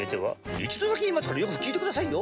一度だけ言いますからよく聞いてくださいよ。